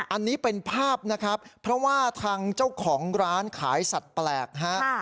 อันนี้เป็นภาพนะครับเพราะว่าทางเจ้าของร้านขายสัตว์แปลกฮะ